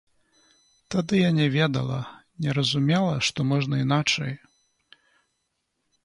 Тады я не ведала, не разумела, што можна іначай.